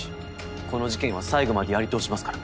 この事件は最後までやり通しますから。